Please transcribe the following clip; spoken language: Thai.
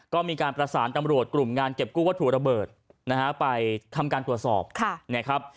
ก็มีการประสานตำรวจกลุ่มงานเก็บกู้วัตถุระเบิดนะฮะไปทำการตรวจสอบนะครับ